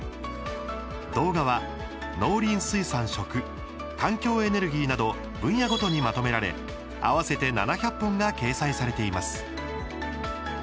動画は農林水産・食環境エネルギーなど分野ごとにまとめられ合わせて７００本が掲載されています。